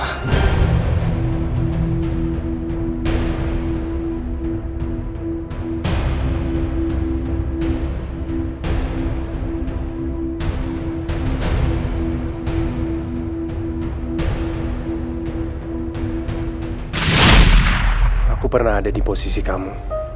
aku tahu rasanya dikhianatin orang yang dicintai